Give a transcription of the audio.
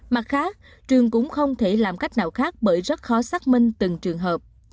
mặt khác trường cũng không thể làm cách nào khác bởi rất khó xác minh từng trường hợp